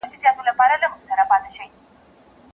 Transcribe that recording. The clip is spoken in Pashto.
کبابي په خپلو خبرو کې د یوې نوې ډرامې کیسه تکراروله.